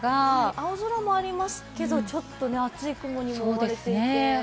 青空もありますけれども、ちょっと厚い雲に覆われていますね。